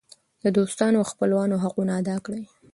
د دوستانو او خپلوانو حقونه ادا کړئ.